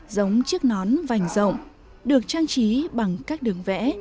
giống chiếc nón vành rộng được trang trí bằng các đường vẽ